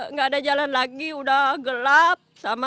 nggak ada jalan lagi udah gelap